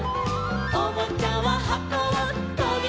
「おもちゃははこをとびだして」